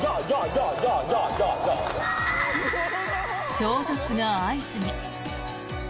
衝突が相次ぎ。